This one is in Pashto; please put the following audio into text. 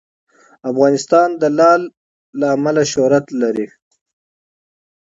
افغانستان د لعل له امله شهرت لري.